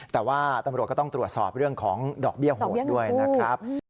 แต่ว่าตำรวจก็ต้องตรวจสอบเรื่องของดอกเบี้ยโหดด้วยนะครับ